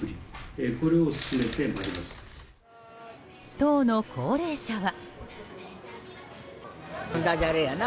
当の高齢者は。